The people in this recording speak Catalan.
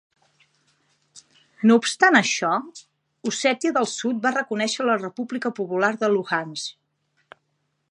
No obstant això, Ossètia del Sud va reconèixer la República Popular de Luhansk.